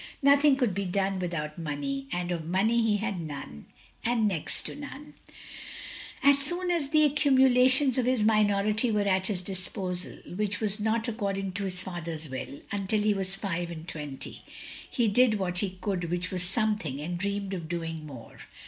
Nothing could be done without money, and of money he had none, or next to none. 232 THE LONELY LADY As soon as the accumtalations of his minority were at his disposal, — ^which was not, according to his father's will, until he was five and twenty, — ^he did what he could, which was something, and dreamed of doing more.